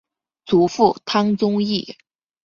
祖父汤宗义。